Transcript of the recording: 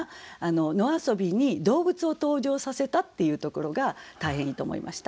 野遊びに動物を登場させたっていうところが大変いいと思いました。